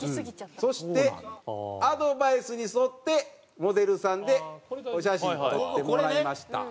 そしてアドバイスに沿ってモデルさんでお写真撮ってもらいました。